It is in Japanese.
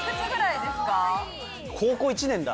高校１年だ。